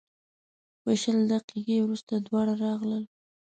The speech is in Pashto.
په شل دقیقې وروسته دواړه راغلل.